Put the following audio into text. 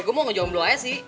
gue mau ngejual meluanya sih